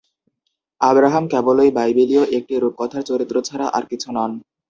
Abraham কেবলই বাইবেলীয় একটি রূপকথার চরিত্র ছাড়া আর কিছু নন।